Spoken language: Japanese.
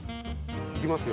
いきますよ。